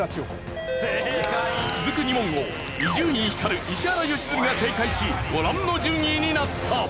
続く２問を伊集院光石原良純が正解しご覧の順位になった。